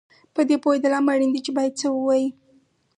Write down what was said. په دې پوهېدل هم اړین دي چې باید څه ووایې